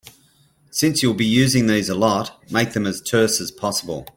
Since you'll be using these a lot, make them as terse as possible.